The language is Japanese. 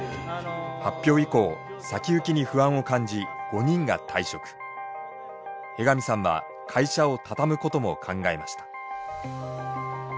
発表以降先行きに不安を感じ江上さんは会社を畳むことも考えました。